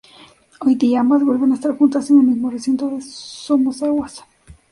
Hoy día, ambas vuelven a estar juntas en el mismo recinto, de Somosaguas.